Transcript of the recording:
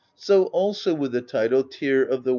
So also with the title Tyr of the Wain.